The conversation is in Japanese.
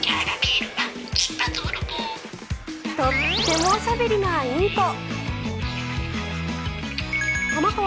とってもおしゃべりなインコ。